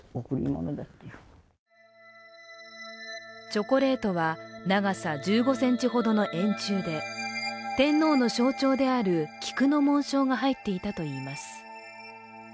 チョコレートは長さ１５ｃｍほどの円柱で天皇の象徴である菊の紋章が入っていたといいます。